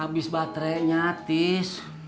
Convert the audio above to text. abis baterenya atis